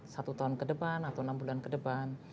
satu tahun ke depan atau enam bulan ke depan